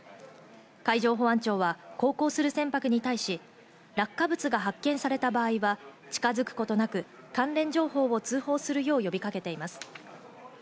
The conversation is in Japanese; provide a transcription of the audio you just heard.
海上保安庁は航行する船舶に対し、落下物が発見された場合は近づくことなく関連情報を通報するよう呼びかけています。